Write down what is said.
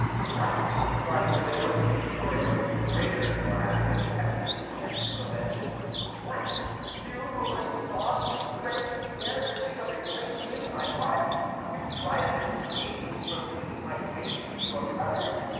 " What !" cried the widow, whose fury was the greater for having been kept in check until then, " What ! you, whom I thought my friend, you dare to speak of replacing him in my heart ! you try to dissuade me from keeping my faith to your cousin.